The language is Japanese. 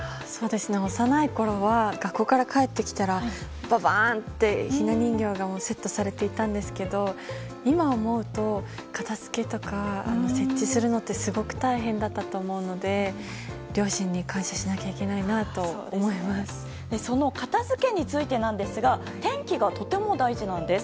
幼いころは学校から帰ってきたらばばん！ってひな人形がセットされていたんですけど今思うと片付けとか設置するのってすごく大変だったと思うので両親に感謝しなきゃいけないなとその片づけについてなんですが天気がとても大事なんです。